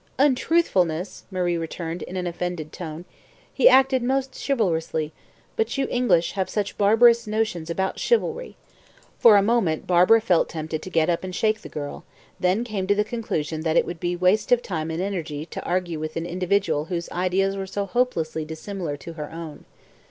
"Untruthfulness!" Marie returned in an offended tone. "He acted most chivalrously; but you English have such barbarous ideas about chivalry." For a moment Barbara felt tempted to get up and shake the girl, then came to the conclusion that it would be waste of time and energy to argue with an individual whose ideas were so hopelessly dissimilar to her own.